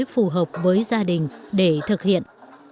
phù hợp với gia đình để thực hiện